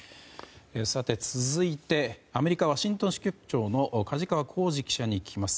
続いてアメリカ・ワシントン支局長の梶川幸司記者に聞きます。